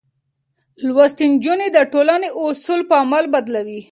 لوستې نجونې د ټولنې اصول په عمل بدلوي.